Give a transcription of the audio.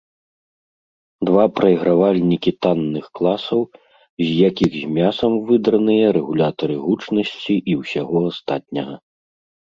Два прайгравальнікі танных класаў, з якіх з мясам выдраныя рэгулятары гучнасці і ўсяго астатняга.